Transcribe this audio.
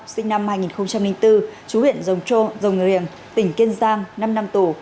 sinh năm hai nghìn bốn chú huyện rồng trô rồng người liềng tỉnh kiên giang năm năm tù